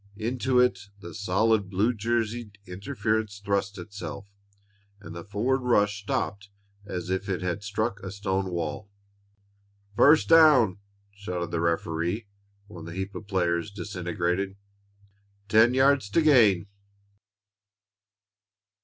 Into it the solid blue jerseyed interference thrust itself, and the forward rush stopped as if it had struck a stone wall. "First down!" shouted the referee when the heap of players disintegrated. "Ten yards to gain!"